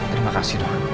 terima kasih dok